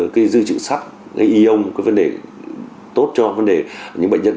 cái dư trự sắc cái yông cái vấn đề tốt cho vấn đề những bệnh nhân